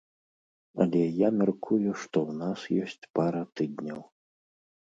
Але я мяркую, што ў нас ёсць пара тыдняў.